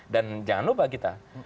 dan jangan lupa kita